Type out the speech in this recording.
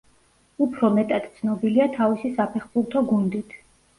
უფრო მეტად ცნობილია თავისი საფეხბურთო გუნდით.